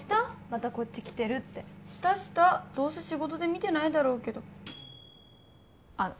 またこっち来てるってしたしたどうせ仕事で見てないだろうけどあっ